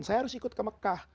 saya harus ikut ke mekah